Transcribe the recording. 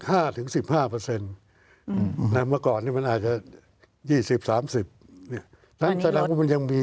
เมื่อก่อนนี้มันอาจจะ๒๐๓๐แต่ในสักครั้งรุ่นมันยังมี